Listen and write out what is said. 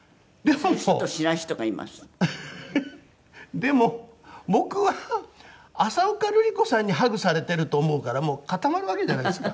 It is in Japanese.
でも僕は浅丘ルリ子さんにハグされてると思うからもう固まるわけじゃないですか。